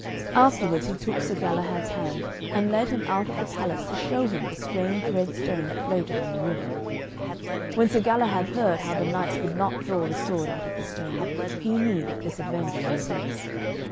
Afterwards he took Sir Galahad's hand, and led him out of the palace to show him the strange red stone that floated on the river. When Sir Galahad heard how the knights could not draw the sword out of the stone, he knew that this adventure was his.